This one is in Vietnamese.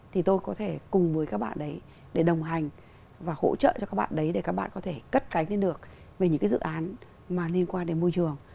thì tôi có thể cùng với các bạn đấy để đồng hành và hỗ trợ cho các bạn đấy để các bạn có thể cất cánh lên được về những cái dự án mà liên quan đến môi trường